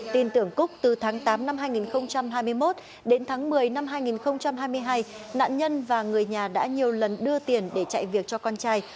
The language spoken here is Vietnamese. tin tưởng cúc từ tháng tám năm hai nghìn hai mươi một đến tháng một mươi năm hai nghìn hai mươi hai nạn nhân và người nhà đã nhiều lần đưa tiền để chạy việc cho con trai